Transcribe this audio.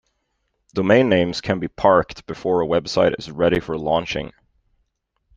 Domain names can be parked before a web site is ready for launching.